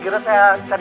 gak ada sinyal lagi